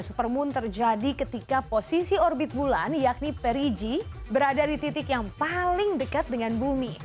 supermoon terjadi ketika posisi orbit bulan yakni perigi berada di titik yang paling dekat dengan bumi